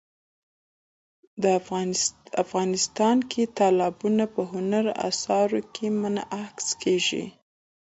افغانستان کې تالابونه په هنري اثارو کې منعکس کېږي.